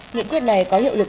nghị quyết này có hiệu lực